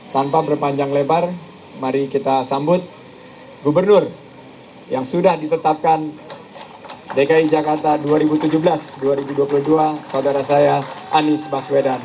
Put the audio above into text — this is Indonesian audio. tanpa berpanjang lebar mari kita sambut gubernur yang sudah ditetapkan dki jakarta dua ribu tujuh belas dua ribu dua puluh dua saudara saya anies baswedan